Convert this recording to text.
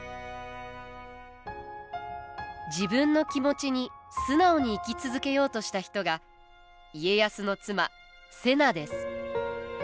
自分の気持ちに素直に生き続けようとした人が家康の妻瀬名です。